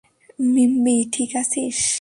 মিম্মি ঠিক আছিস?